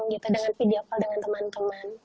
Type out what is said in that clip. gitu dengan video call dengan teman teman